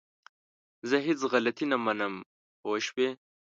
زه هيڅ غلطي نه منم! پوه شوئ!